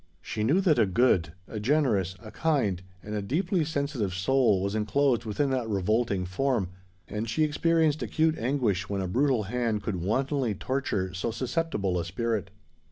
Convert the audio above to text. She knew that a good—a generous—a kind—and a deeply sensitive soul was enclosed within that revolting form; and she experienced acute anguish when a brutal hand could wantonly torture so susceptible a spirit.